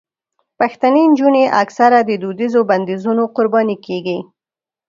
پښتنې نجونې اکثره د دودیزو بندیزونو قرباني کېږي.